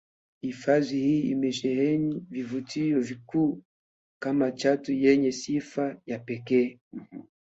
Hifadhi hii imesheheni vivutio vikuu kama chatu wenye sifa ya pekee